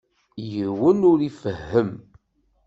Yiwen ur ifehhem.